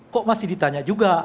kok masih ditanya juga